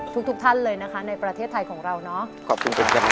ทุกท่านเลยนะคะในประเทศไทยของเราเนาะขอบคุณครับ